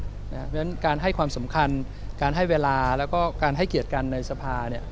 เพราะฉะนั้นการให้ความสำคัญการให้เวลาแล้วก็การให้เกียรติกันในสภา